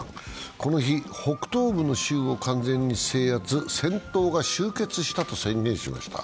この日、北東部の州を完全に制圧、戦闘が終結したと宣言しました。